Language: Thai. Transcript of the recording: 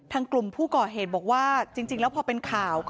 กลุ่มผู้ก่อเหตุบอกว่าจริงแล้วพอเป็นข่าว